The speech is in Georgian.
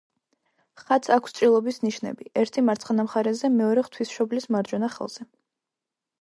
ხატს აქვს ჭრილობის ნიშნები: ერთი მარცხენა მხარეზე, მეორე ღვთისმშობლის მარჯვენა ხელზე.